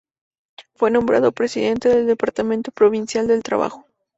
Fue nombrado Presidente del Departamento Provincial del Trabajo.